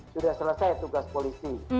sudah selesai tugas polisi